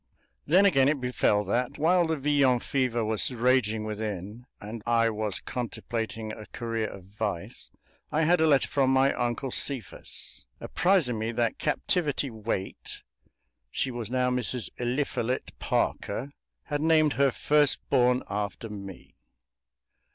Then again it befell that, while the Villon fever was raging within and I was contemplating a career of vice, I had a letter from my uncle Cephas, apprising me that Captivity Waite (she was now Mrs. Eliphalet Parker) had named her first born after me!